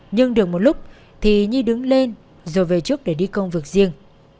nhưng được một lúc thì nhi đứng lên rồi về trước để đi công việc riêng